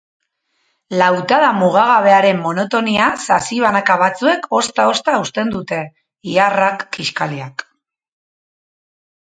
Lautada mugagabearen monotonia sasi banaka batzuek ozta-ozta hausten dute, iharrak, kiskaliak.